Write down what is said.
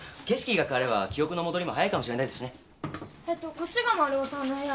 景色が変われば記憶の戻りも早いかもしれないですしね。